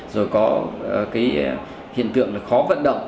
rồi có hiện tượng khó vận động